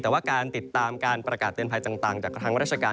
แต่ว่าการติดตามการประกาศเตือนภัยต่างจากทางราชการ